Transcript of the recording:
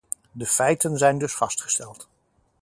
De feiten zijn dus vastgesteld.